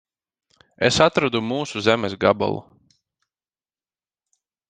Es atradu mūsu zemes gabalu.